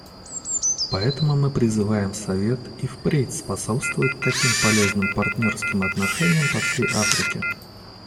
Поэтому мы призываем Совет и впредь способствовать таким полезным партнерским отношениям по всей Африке.